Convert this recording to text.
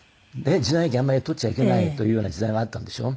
時代劇あんまり撮っちゃいけないというような時代があったんでしょ？